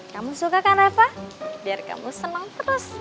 kamu suka kan eva biar kamu seneng terus